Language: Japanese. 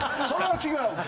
それは違う！